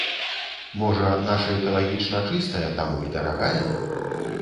Можа наша экалагічна чыстая, таму і дарагая?